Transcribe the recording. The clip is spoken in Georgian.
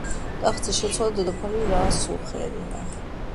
ტახტზე შეცვალა დედოფალი რასუხერინა.